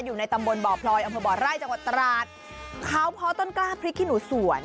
อยู่ในตำบลบ่อพลอยอำเภอบ่อไร่จังหวัดตราดเขาเพาะต้นกล้าพริกขี้หนูสวน